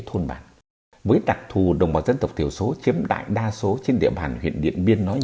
thôn bản với đặc thù đồng bào dân tộc thiểu số chiếm đại đa số trên địa bàn huyện điện biên nói